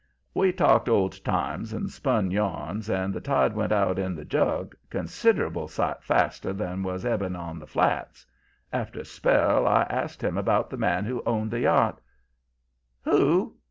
We talked old times and spun yarns, and the tide went out in the jug consider'ble sight faster than 'twas ebbing on the flats. After a spell I asked him about the man that owned the yacht. "'Who?